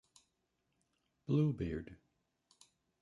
Bluebeard.